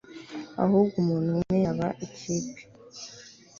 ahubwo umuntu umwe yaba ikipe